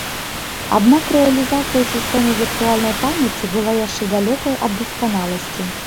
Аднак рэалізацыя сістэмы віртуальнай памяці была яшчэ далёкай ад дасканаласці.